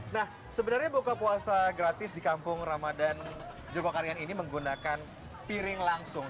nah sebenarnya buka puasa gratis di kampung ramadan jogokarian ini menggunakan piring langsung